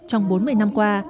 trong bốn mươi năm qua